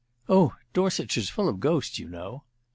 "Oh, Dorsetshire's full of ghosts, you know."